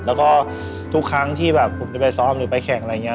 แล้วก็ทุกครั้งที่แบบผมจะไปซ้อมหรือไปแข่งอะไรอย่างนี้